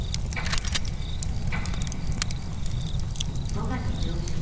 ５月上旬。